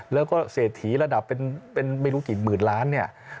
แล้วก็เศรษฐีระดับเป็นไม่รู้กี่หมื่นล้านเนี่ย